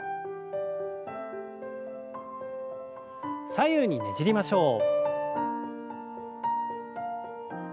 左右にねじりましょう。